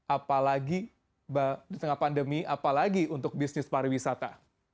apalagi di tengah pandemi apalagi untuk bisnis pariwisata